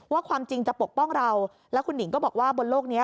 ความจริงจะปกป้องเราแล้วคุณหนิงก็บอกว่าบนโลกนี้